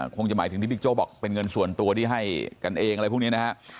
คงจะหมายถึงที่บิ๊กโจ๊บอกเป็นเงินส่วนตัวที่ให้กันเองอะไรพวกนี้นะฮะ